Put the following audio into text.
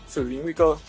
xử lý nguy cơ